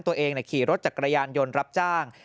ตัวเองขี่รถจากกระยานยนต์รับจ้าง